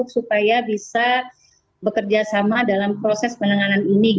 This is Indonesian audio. supaya bisa bekerja sama dalam proses penanganan ini